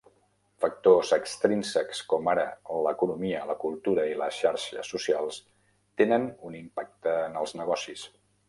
Factors extrínsecs com ara l'economia, la cultura i les xarxes socials tenen un impacte en els negocis.